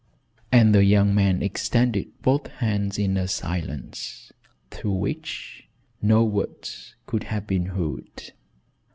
And the young man extended both hands in a silence through which no words could have been heard.